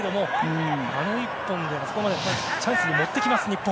あの一本であそこまでチャンスに持っていく日本。